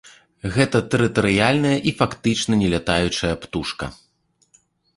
Гэта тэрытарыяльная і фактычна не лятаючая птушка.